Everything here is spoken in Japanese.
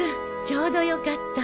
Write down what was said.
ちょうどよかった。